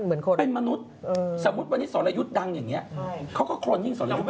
เหมือนคนเป็นมนุษย์สมมุติวันนี้สรยุทธ์ดังอย่างนี้เขาก็โครนยิ่งสรยุทธ์